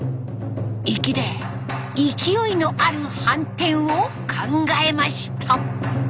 粋で勢いのあるはんてんを考えました。